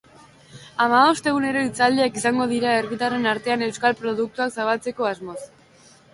Hamabost egunero hitzaldiak izango dira herritarren artean euskal produktuak zabaltzeko asmoz.